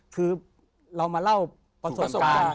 คือเรามาเล่าประสบการณ์